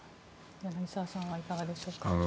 柳澤さんはいかがでしょうか？